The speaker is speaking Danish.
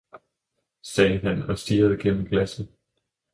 sagde han og stirrede gennem glasset.